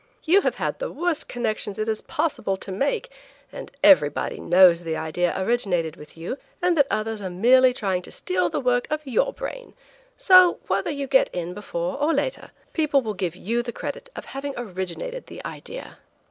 You have had the worst connections it is possible to make, and everybody knows the idea originated with you, and that others are merely trying to steal the work of your brain, so, whether you get in before or later, people will give you the credit of having originated the idea."